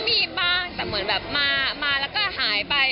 มีบ้างแต่เหมือนแบบมาแล้วก็หายไป